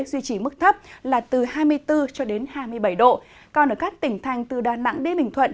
duy trì mức thấp là từ hai mươi bốn cho đến hai mươi bảy độ còn ở các tỉnh thành từ đà nẵng đến bình thuận